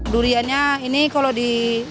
duriannya ini kalau di